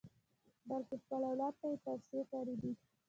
بلکې خپل اولاد ته یې توصیې کړې دي.